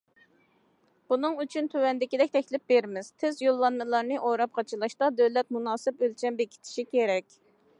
بۇنىڭ ئۈچۈن تۆۋەندىكىدەك تەكلىپ بېرىمىز: تېز يوللانمىلارنى ئوراپ قاچىلاشتا دۆلەت مۇناسىپ ئۆلچەم بېكىتىشى كېرەك.